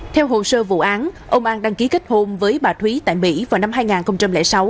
theo hồ sơ vụ án ông an đăng ký kết hôn với bà thúy tại mỹ vào năm hai nghìn sáu